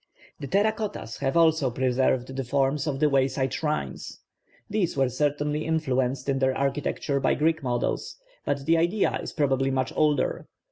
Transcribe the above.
The terra cottas have also preserved the forms of the wayside shrines. These were certainly influenced in their architecture by Greek models, but the idea is probably much older.